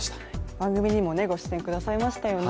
番組にもご出演くださいましたよね。